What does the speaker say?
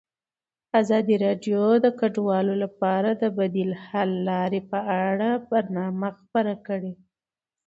ازادي راډیو د کډوال لپاره د بدیل حل لارې په اړه برنامه خپاره کړې.